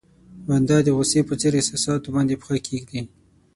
بنده د غوسې په څېر احساساتو باندې پښه کېږدي.